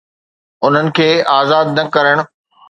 انهن کي آزاد نه ڪرڻ.